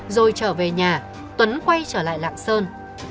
rồi trở về nhà tuấn quay trở lại lạng sơn